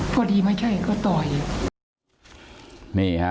ก็ดีไม่ใช่ก็ต่อย